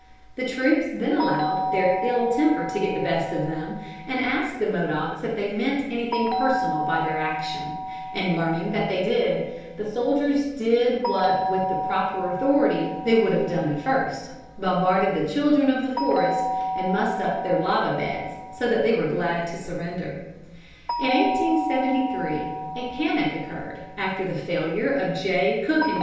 The troops then allowed their ill temper to get the best of them, and asked the Modocs if they meant anything personal by their action, and, learning that they did, the soldiers did what with the proper authority they would have done at first, bombarded the children of the forest and mussed up their lava beds so that they were glad to surrender. In 1873 a panic occurred after the failure of Jay Cooke & Co.